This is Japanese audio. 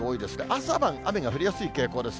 朝晩雨が降りやすい傾向です。